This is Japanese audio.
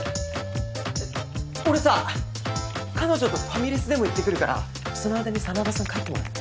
俺さ彼女とファミレスでも行ってくるからその間に真田さん帰ってもらえる？